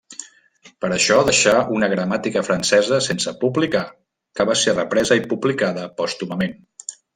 Per això deixà una gramàtica francesa sense publicar, que va ser represa i publicada pòstumament.